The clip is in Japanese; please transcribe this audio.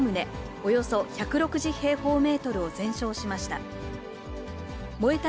およそ１６０平方メートルを全焼しました。